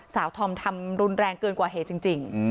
ทอมทำรุนแรงเกินกว่าเหตุจริง